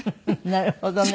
なるほどね。